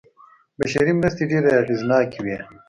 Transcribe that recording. بشري مرستې ډېرې اغېزناکې وې.